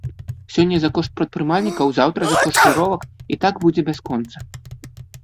Сёння за кошт прадпрымальнікаў, заўтра за кошт жыровак, і так будзе бясконца.